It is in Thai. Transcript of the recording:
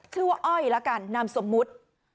ว่าอ้อยละกันนามสมมุติ